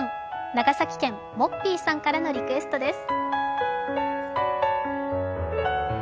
長崎県、モッピーさんからのリクエストです。